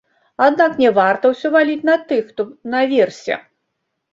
Аднак не варта ўсё валіць на тых, хто наверсе.